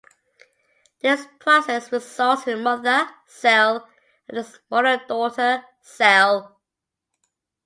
This process results in a 'mother' cell and a smaller 'daughter' cell.